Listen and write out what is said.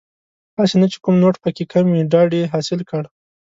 هسې نه چې کوم نوټ پکې کم وي ډاډ یې حاصل کړ.